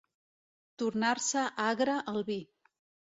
Tornar-se agre el vi.